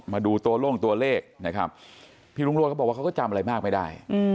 มาดูตัวโล่งตัวเลขนะครับพี่รุ่งโรธเขาบอกว่าเขาก็จำอะไรมากไม่ได้